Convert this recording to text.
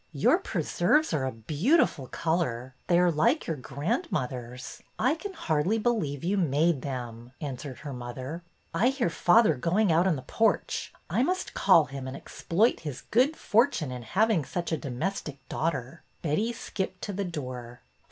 '' Your preserves are a beautiful color. They are like your grandmother's. I can hardly believe you made them," answered her mother. '' I hear father going out on the porch. I must call him and exploit his good fortune in having such a domestic daughter." Betty skipped to the door.